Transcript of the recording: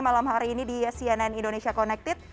malam hari ini di cnn indonesia connected